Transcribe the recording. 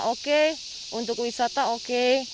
oke untuk wisata oke